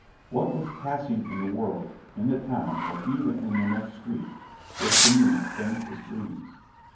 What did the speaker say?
What was passing in the world, in the town, or even in the next street, was to me faint as dreams.